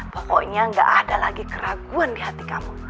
pokoknya gak ada lagi keraguan di hati kamu